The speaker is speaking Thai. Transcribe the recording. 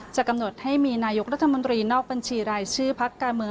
จะกำหนดให้มีนายกรัฐมนตรีนอกบัญชีรายชื่อพักการเมือง